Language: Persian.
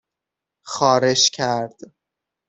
خارش کرد